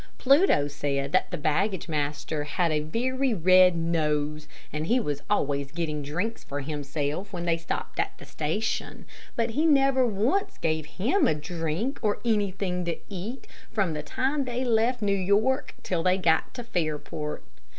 Pluto said that the baggage master had a very red nose, and he was always getting drinks for himself when they stopped at a station, but he never once gave him a drink or anything to eat, from the time they left New York till they got to Fairport.